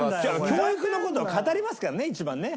教育の事を語りますからね一番ね。